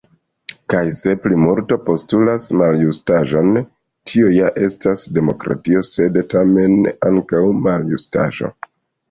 Kaj se plimulto postulas maljustaĵon, tio ja estas demokratio, sed, tamen, ankaŭ maljustaĵo.